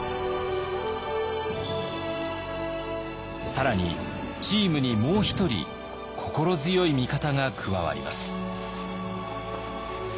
更にチームにもう一人心強い味方が加わります。